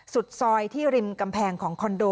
สุดซอยที่ริมกำแพงของคอนโด